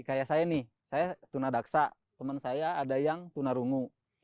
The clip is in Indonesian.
kayak saya nih saya tuna daksa teman saya ada yang tunarungu